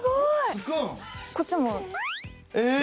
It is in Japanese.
こっちも。え！？